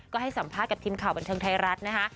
ก็ให้สัมภาษณ์กับทีมข่าวบันเทิงไทยรัฐนะคะ